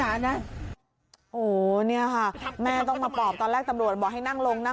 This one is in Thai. โอ้โหเนี่ยค่ะแม่ต้องมาปอบตอนแรกตำรวจบอกให้นั่งลงนั่ง